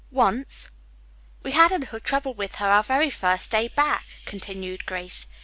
"Once." "We had a little trouble with her our very first day back," continued Grace.